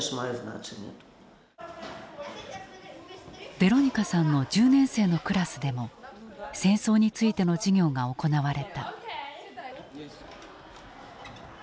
ヴェロニカさんの１０年生のクラスでも戦争についての授業が行われた。